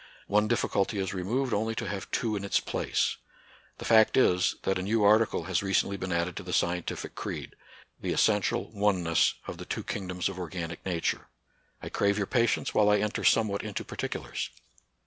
One difficulty is removed only to have two in its place. The fact is, that a new article has recently been added to the scientific creed, — the essential oneness of the two kingdoms of organic nature. I crave your patience while I enter somewhat into particulars.